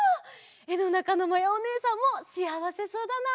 えのなかのまやおねえさんもしあわせそうだな。